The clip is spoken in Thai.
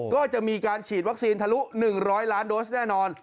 ก็จะมีการฉีดวัคซีนทะลุ๑๐๐ล้านโดสแน่นอน